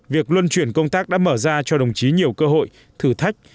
việc luân chuyển công tác đã mở ra cho đồng chí nhiều cơ hội thử thách